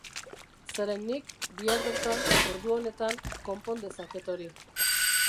Zeren nik, bihar bertan, ordu honetan, konpon dezaket hori.